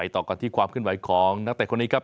ต่อกันที่ความขึ้นไหวของนักเตะคนนี้ครับ